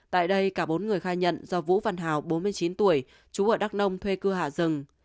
tại đây cả bốn người khai nhận do vũ văn hào bốn mươi chín tuổi chú ở đắk nông thuê cưa hạ rừng